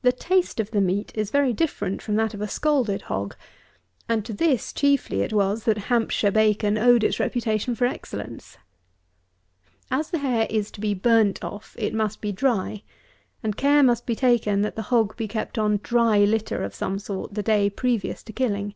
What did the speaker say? The taste of the meat is very different from that of a scalded hog; and to this chiefly it was that Hampshire bacon owed its reputation for excellence. As the hair is to be burnt off it must be dry, and care must be taken, that the hog be kept on dry litter of some sort the day previous to killing.